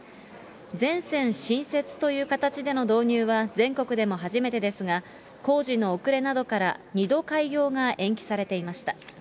全線新設という形での導入は全国でも初めてですが、工事の遅れなどから、２度開業が延期されていました。